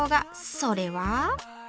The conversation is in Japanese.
それは。